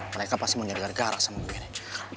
mereka pasti menjaga garak sama gue nih